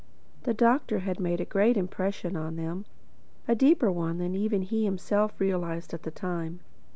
The Doctor had made a great impression on them—a deeper one than even he himself realized at the time.